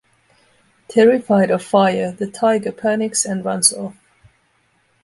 Terrified of fire, the tiger panics and runs off.